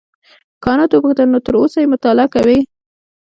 کانت وپوښتل نو تر اوسه یې مطالعه کوې.